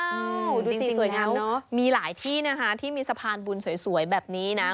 ดูสิ่งสวยงามเนอะจริงแล้วมีหลายที่นะฮะที่มีสะพานบุญสวยแบบนี้นะ